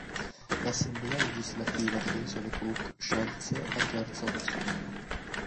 L'Assemblea legislativa delle Isole Cook scelse la terza opzione.